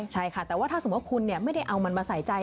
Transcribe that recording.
ใช่ค่ะแต่ว่าถ้าสมมุติคุณไม่ได้เอามันมาใส่ใจ